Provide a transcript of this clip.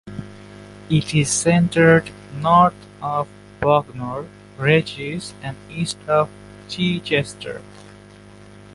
It is centred north of Bognor Regis and east of Chichester.